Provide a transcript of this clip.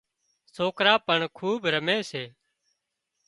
سوڪرا پڻ کُوٻ رمي سي